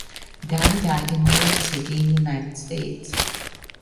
Dan died in New York city, in United States.